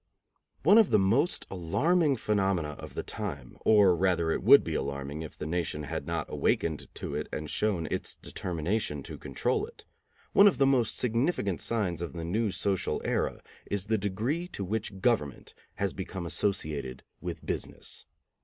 One of the most alarming phenomena of the time, or rather it would be alarming if the nation had not awakened to it and shown its determination to control it, one of the most significant signs of the new social era is the degree to which government has become associated with business.